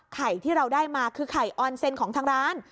ไข่ที่เราได้มาคือไข่ออนเซ็นของทางร้าน